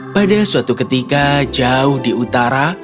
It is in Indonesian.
pada suatu ketika jauh di utara